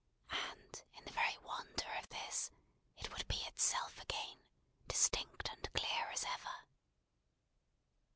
And in the very wonder of this, it would be itself again; distinct and clear as ever.